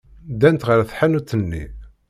Ddant ɣer tḥanut-nni.